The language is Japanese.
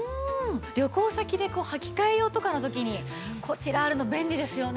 旅行先で履き替え用とかの時にこちらあるの便利ですよね。